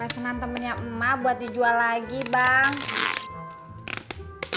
senang temennya emak buat dijual lagi bang